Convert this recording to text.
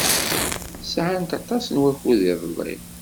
Sɛant aṭas n wakud ilelli.